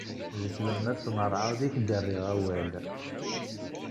Di tlemmast n ṛṛɛud i k-d-rriɣ awal.